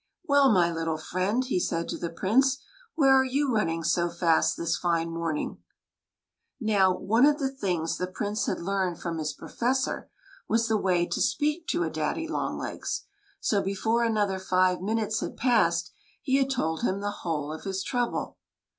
" Well, my little friend," he said to the Prince, "where are you running so fast, this fine morning ?" Now, one of the things the Prince had learned from his Professor was the way to speak to a daddy longlegs, so before another five minutes had passed he had to]d him the whole of his trouble.